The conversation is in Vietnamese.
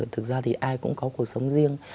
thực ra thì ai cũng có cuộc sống riêng